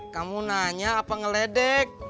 kamu nanya apa ngeledek